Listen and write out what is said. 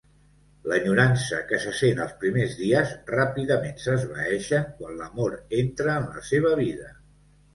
L'enyorança que sent els primers dies ràpidament s'esvaeixen quan l'amor entra en la seva vida.